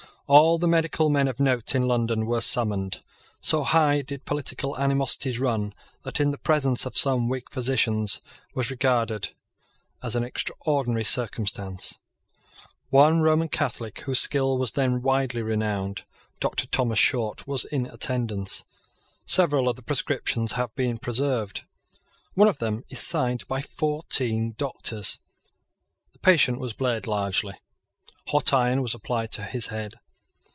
All the medical men of note in London were summoned. So high did political animosities run that the presence of some Whig physicians was regarded as an extraordinary circumstance. One Roman Catholic, whose skill was then widely renowned, Doctor Thomas Short, was in attendance. Several of the prescriptions have been preserved. One of them is signed by fourteen Doctors. The patient was bled largely. Hot iron was applied to his head.